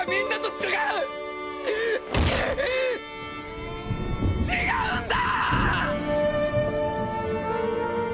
違うんだ！